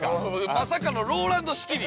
◆まさかのＲＯＬＡＮＤ仕切り。